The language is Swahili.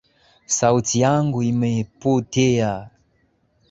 Sauti yangu imepotea